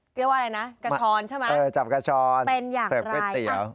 เรียกว่าอะไรนะกระชรใช่ไหมเป็นอย่างไรครับเออจับกระชรเสิบก๋วยเตี๋ยว